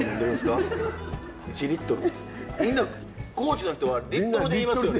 みんな高知の人はリットルで言いますよね。